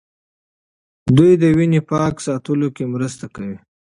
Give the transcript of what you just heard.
دوی د وینې پاک ساتلو کې مرسته کوي.